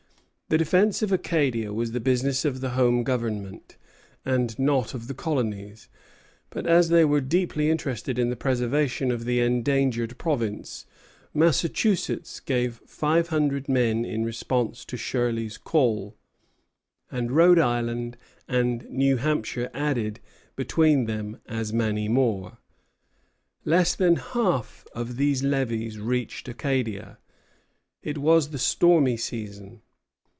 The defence of Acadia was the business of the Home Government, and not of the colonies; but as they were deeply interested in the preservation of the endangered province, Massachusetts gave five hundred men in response to Shirley's call, and Rhode Island and New Hampshire added, between them, as many more. Less than half of these levies reached Acadia. It was the stormy season.